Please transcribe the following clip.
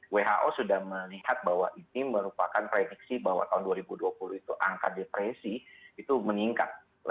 who sudah melihat bahwa ini merupakan prediksi bahwa tahun dua ribu dua puluh itu angka depresi itu meningkat